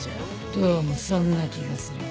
どうもそんな気がするわ。